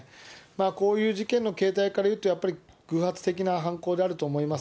こういう事件の形態からいうと、やっぱり偶発的な犯行であると思います。